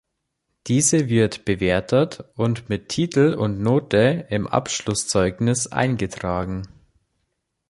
Diese wird bewertet und mit Titel und Note im Abschlusszeugnis eingetragen.